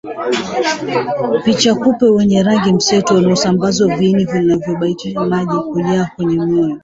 Picha Kupe wenye rangi mseto wanaosambaza viini vinavyosababisha maji kujaa kwenye moyo